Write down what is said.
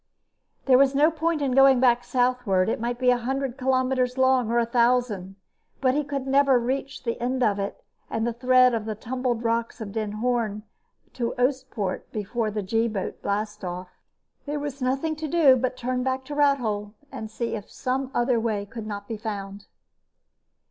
There was no point in going back southward. It might be a hundred kilometers long or a thousand, but he never could reach the end of it and thread the tumbled rocks of Den Hoorn to Oostpoort before the G boat blastoff. There was nothing to do but turn back to Rathole and see if some other way could not be found.